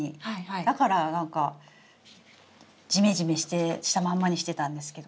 だからなんかジメジメしたまんまにしてたんですけど。